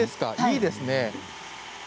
いいですね。